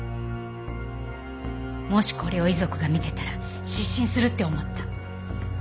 もしこれを遺族が見てたら失神するって思った。